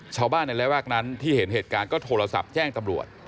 ชาวบ้านในระแวกนั้นที่เห็นเหตุการณ์ก็โทรศัพท์แจ้งตำรวจ